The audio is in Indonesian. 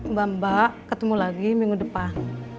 mbak mbak ketemu lagi minggu depan